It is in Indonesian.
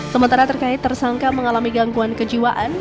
sementara terkait tersangka mengalami gangguan kejiwaan